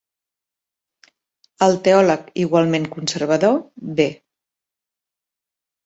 El teòleg igualment conservador B.